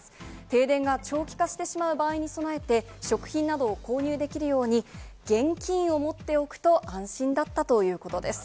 停電が長期化してしまう場合に備えて、食品などを購入できるように、現金を持っておくと安心だったということです。